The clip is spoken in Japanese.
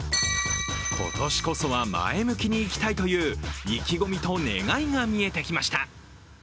今年こそは前向きにいきたいという意気込みと願いが見えてきました。